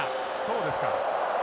そうですか。